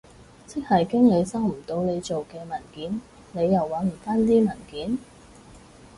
即係經理收唔到你做嘅文件，你又搵唔返啲文件？